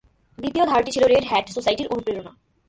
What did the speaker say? দ্বিতীয় ধারাটি ছিল রেড হ্যাট সোসাইটির অনুপ্রেরণা।